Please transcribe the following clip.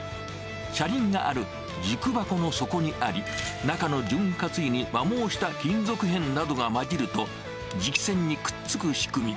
車輪がある、軸箱の底にあり、中の潤滑油に摩耗した金属片などが混じると、磁気栓にくっつく仕組み。